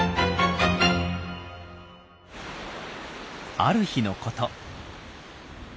ある日のこと。